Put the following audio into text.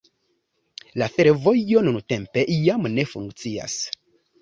La fervojo nuntempe jam ne funkcias.